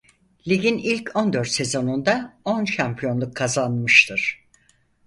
Ligin ilk on dört sezonunda on şampiyonluk kazanmıştır.